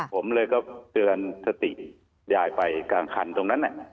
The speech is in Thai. ผมเลยก็เตือนสติยายไปกลางคันตรงนั้น